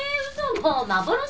もう幻？